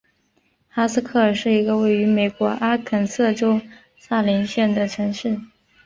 哈斯克尔是一个位于美国阿肯色州萨林县的城市。